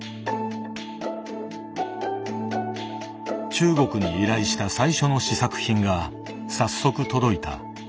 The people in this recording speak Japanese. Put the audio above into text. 中国に依頼した最初の試作品が早速届いた。